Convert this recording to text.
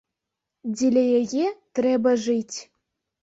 Дзеля яе трэба жыць.